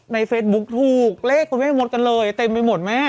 ในเฟซบุ๊คถูกเลขคุณแม่มดกันเลยเต็มไปหมดแม่